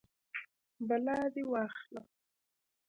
بلا دې واخلم.